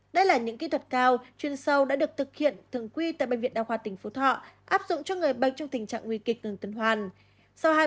đây là những kỹ thuật cao chuyên sâu đã được thực hiện thường quy tại bệnh viện đa khoa tỉnh phú thọ áp dụng cho người bệnh trong tình trạng nguy kịch ngừng tuần hoàn